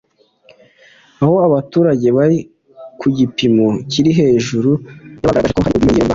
Aho abaturage bari ku gipimo kiri hejuru ya bagaragaje ko hari ubwiyongere bwa